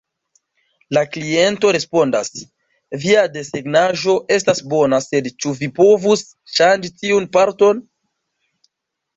La kliento respondas: "Via desegnaĵo estas bona, sed ĉu vi povus ŝanĝi tiun parton?".